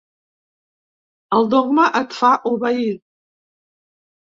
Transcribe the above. El dogma et fa obeir.